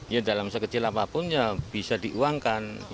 ya dalam sekecil apapun ya bisa diuangkan